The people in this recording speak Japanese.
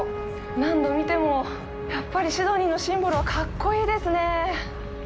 何度見ても、やっぱりシドニーのシンボルは格好いいですね。